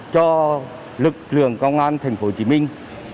cho lực lượng công an thành phố hồ chí minh